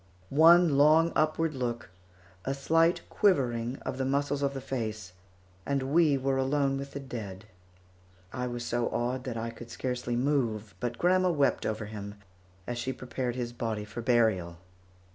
One long upward look, a slight quivering of the muscles of the face, and we were alone with the dead. I was so awed that I could scarcely move, but grandma wept over him, as she prepared his body for burial.